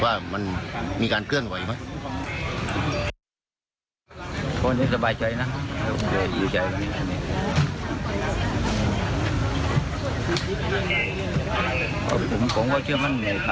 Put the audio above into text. ว่ามันมีการเคลื่อนไหวไหม